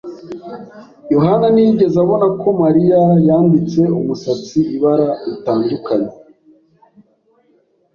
yohani ntiyigeze abona ko Mariya yambitse umusatsi ibara ritandukanye.